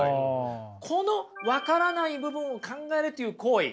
この分からない部分を考えるという行為